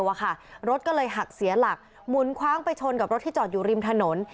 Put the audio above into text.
รถก็เลยหักเสียหลักหมุนคว้างไปชนกับรถที่จอดอยู่ริมถนน